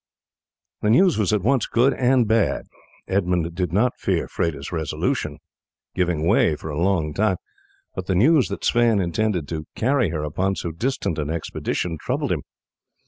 The news was at once good and bad. Edmund did not fear Freda's resolution giving way for a long time, but the news that Sweyn intended to carry her upon so distant an expedition troubled him.